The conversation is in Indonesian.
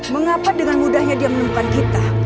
mengapa dengan mudahnya dia menemukan gita